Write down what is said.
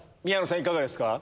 いかがですか？